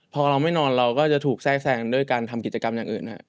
พอเราไม่นอนเราก็จะถูกแทรกแซงด้วยการทำกิจกรรมอย่างอื่น